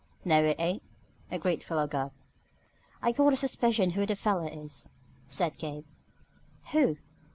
"No, it ain't," agreed Philo Gubb. "I got a suspicion who the feller is," said Gabe. "Who?"